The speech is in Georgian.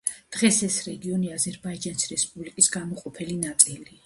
დღეს ეს რეგიონი აზერბაიჯანის რესპუბლიკის განუყოფელი ნაწილია.